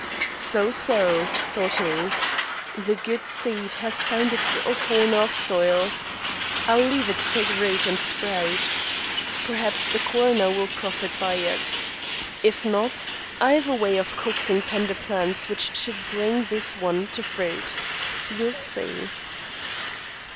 "So, so!" thought he. "The good seed has found its little corner of soil. I'll leave it to take root and sprout. Perhaps the coroner will profit by it. If not, I've a way of coaxing tender plants which should bring this one to fruit. We'll see."